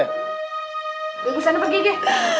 udah ulan pergi deh